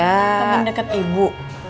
teman deket ibu